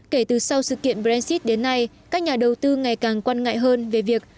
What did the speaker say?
kể từ sau sự kiện brexit đến nay các nhà đầu tư ngày càng quan ngại hơn về việc